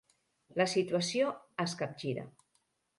La situació es capgira.